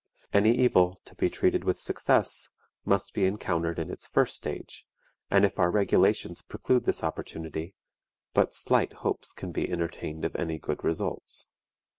Any evil, to be treated with success, must be encountered in its first stage, and if our regulations preclude this opportunity, but slight hopes can be entertained of any good results.